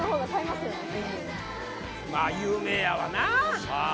まあ有名やわな・ああ